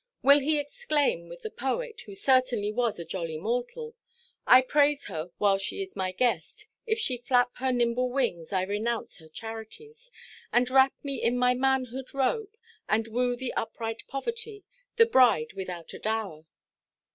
Will he exclaim with the poet, who certainly was a jolly mortal,—"I praise her while she is my guest. If she flap her nimble wings, I renounce her charities; and wrap me in my manhood robe, and woo the upright poverty, the bride without a dower."